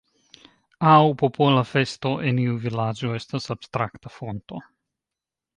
Aŭ popola festo en iu vilaĝo estas abstrakta fonto.